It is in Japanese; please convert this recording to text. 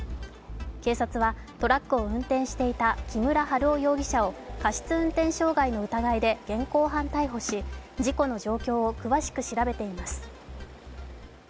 警察はトラックを運転していた木村春夫容疑者を過失運転傷害の疑いで現行犯逮捕し事故の状況を詳しく調べています。